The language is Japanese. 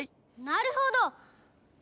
なるほど！